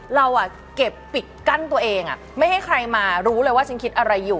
เราเก็บปิดกั้นตัวเองไม่ให้ใครมารู้เลยว่าฉันคิดอะไรอยู่